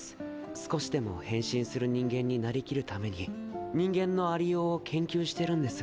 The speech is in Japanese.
少しでも変身する人間になりきるために人間の有り様を研究してるんです。